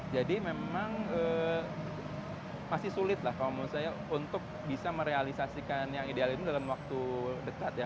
jadi memang pasti sulit lah kalau mau saya untuk bisa merealisasikan yang ideal ini dalam waktu dekat ya